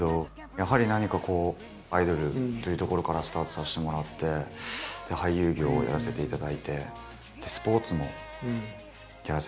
やはり何かこうアイドルというところからスタートさせてもらって俳優業をやらせていただいてスポーツもやらせていただいて。